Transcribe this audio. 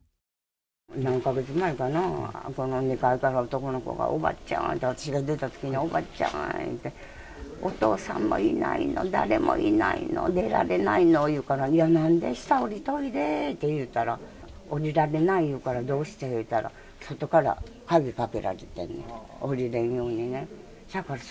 何か月前かな、２階から男の子が、おばちゃんって、私が出たときに、おばちゃんって言って、お父さんもいないの、誰もいないの、出られないのって言うから、いやいや、なんで下、下りておいで言ったら、おりられないっていうから、どうして？って言ったら、外から鍵かけられてるの、下りれんようにね。